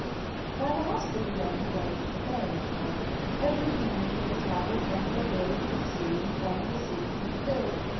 By the Hospital Lane goes the ' Faeries Path.' Every evening they travel from the hill to the sea, from the sea to the hill.